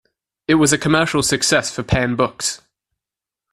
It was a commercial success for Pan Books.